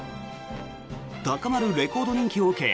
高まるレコード人気を受け